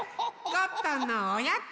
ゴットンのおやつ